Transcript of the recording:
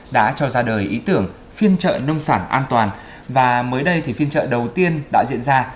đã cho ra đời ý tưởng phiên trợ nông sản an toàn và mới đây thì phiên trợ đầu tiên đã diễn ra